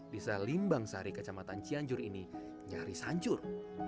bisa limbang sehari kecamatan cianjur ini nyaris hancur